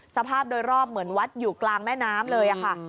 สภาพโดยรอบเหมือนวัดอยู่กลางแม่น้ำเลยค่ะ